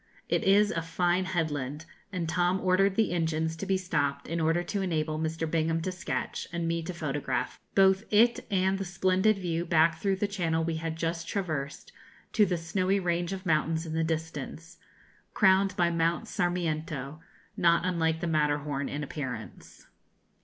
It is a fine headland, and Tom ordered the engines to be stopped in order to enable Mr. Bingham to sketch, and me to photograph, both it and the splendid view back through the channel we had just traversed to the snowy range of mountains in the distance, crowned by Mount Sarmiento, not unlike the Matterhorn in appearance.